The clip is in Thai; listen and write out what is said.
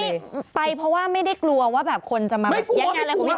อันนี้ไปเพราะว่าไม่ได้กลัวว่าแบบคนจะมาแย่งอะไรของพี่